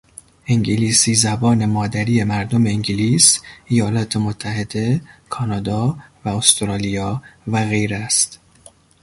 انگلیسی زبان مادری مردم انگلیس، ایالات متحده، کانادا و استرالیا و غیره است.